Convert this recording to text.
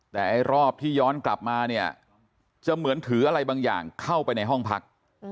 แต่ไอ้รอบที่ย้อนกลับมาเนี่ยจะเหมือนถืออะไรบางอย่างเข้าไปในห้องพัก